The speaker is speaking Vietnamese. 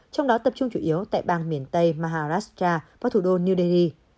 trong đó tập trung chủ yếu tại bang miền tây maharasra và thủ đô new delhi